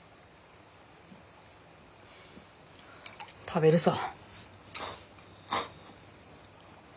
食べるさ。